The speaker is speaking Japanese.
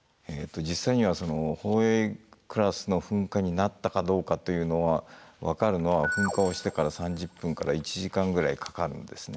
実際には宝永クラスの噴火になったかどうかというのが分かるのは噴火をしてから３０分から１時間ぐらいかかるんですね。